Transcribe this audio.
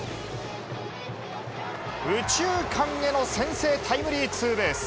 右中間への先制タイムリーツーベース。